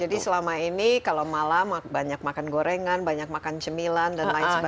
jadi selama ini kalau malam banyak makan gorengan banyak makan cemilan dan lain sebagainya